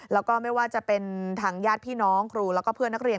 แล้วก็ไม่ว่าจะเป็นทางญาติพี่น้องครูแล้วก็เพื่อนนักเรียน